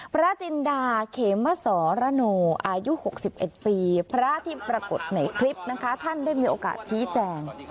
พระจินดาเขมสรโนอายุ๖๑ปีพระที่ปรากฏในคลิปนะคะท่านได้มีโอกาสชี้แจง